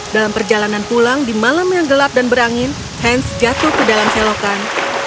dalam perjalanan pulang di malam yang gelap dan berangin hans jatuh ke dalam selokan